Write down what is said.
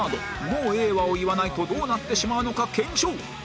「もうええわ」を言わないとどうなってしまうのか検証